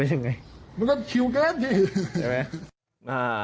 ใช่ไหม